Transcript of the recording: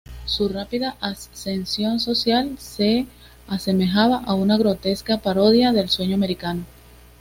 Su rápida ascensión social se asemejaba a una grotesca parodia del sueño americano.